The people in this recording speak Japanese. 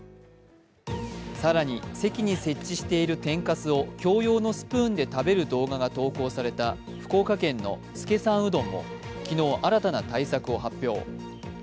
更に席に設置している天かすを共用のスプーンで食べる動画が投稿された福岡県の資さんうどんも昨日、新たな対策を発表。